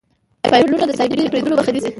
فایروالونه د سایبري بریدونو مخه نیسي.